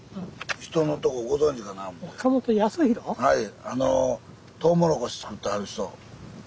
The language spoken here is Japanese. はい。